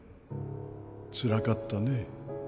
つらかったね。